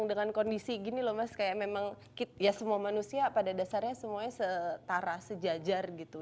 akan kira kira saya tidak ingin dianggap kayak bos gitu kayak nggak mau gitu